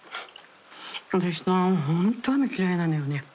私さ本当雨嫌いなのよね。